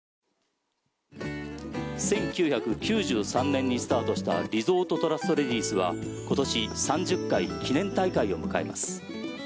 １９９３年にスタートしたリゾートトラストレディスは今年３０回記念大会を迎えます。